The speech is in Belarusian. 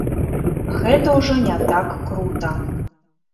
Гэта ўжо не так крута.